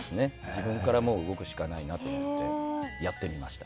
自分から動くしかないなと思ってやってみました。